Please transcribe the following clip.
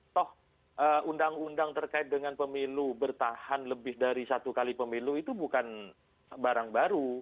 toh undang undang terkait dengan pemilu bertahan lebih dari satu kali pemilu itu bukan barang baru